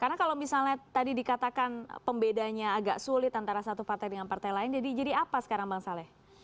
karena kalau misalnya tadi dikatakan pembedanya agak sulit antara satu partai dengan partai lain jadi apa sekarang bang saleh